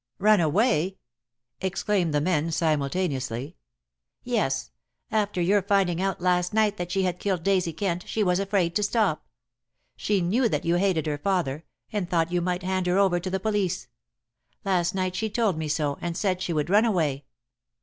"Run away!" exclaimed the men simultaneously. "Yes. After your finding out last night that she had killed Daisy Kent she was afraid to stop. She knew that you hated her father, and thought you might hand her over to the police. Last night she told me so, and said she would run away.